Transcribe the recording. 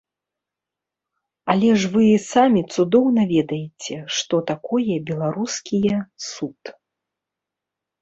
Але ж вы самі цудоўна ведаеце, што такое беларускія суд.